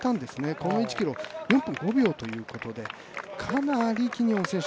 この１ｋｍ、４分５秒ということでかなりキニオン選手